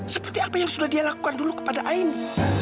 seperti apa yang sudah dia lakukan dulu kepada aini